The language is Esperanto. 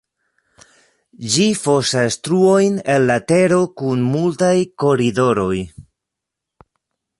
Ĝi fosas truojn en la tero kun multaj koridoroj.